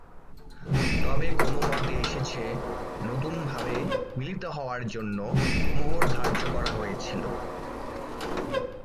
তবে কোন মতে এসেছে নতুনভাবে মিলিত হওয়ার জন্য মোহর ধার্য করা হয়েছিলো।